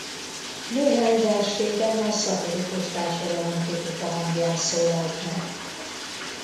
Néhány versében a szatirikus társadalomkritika hangján szólalt meg.